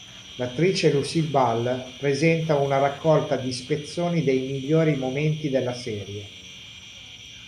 L'attrice Lucille Ball presenta una raccolta di spezzoni dei migliori momenti della serie.